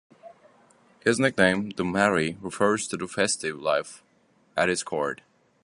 His nickname "the Merry" refers to the festive life at his court.